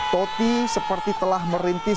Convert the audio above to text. totti seperti telah merintis